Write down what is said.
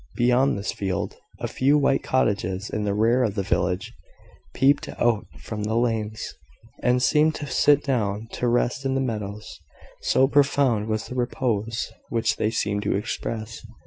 Beyond this field, a few white cottages, in the rear of the village, peeped out from the lanes, and seemed to sit down to rest in the meadows, so profound was the repose which they seemed to express.